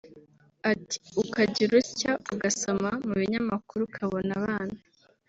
Ati “Ukagira utya ugasoma mu binyamakuru ukabona abana